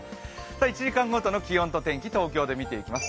１時間ごとの気温と天気、東京で見ていきます。